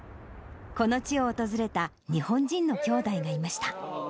この地を訪れた日本人の兄妹がいました。